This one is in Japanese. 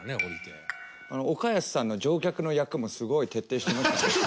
あの岡安さんの乗客の役もすごい徹底してましたね。